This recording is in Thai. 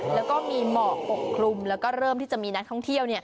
แล้วก็มีหมอกปกคลุมแล้วก็เริ่มที่จะมีนักท่องเที่ยว